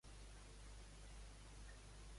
Com afirma que es pot vèncer l'independentisme?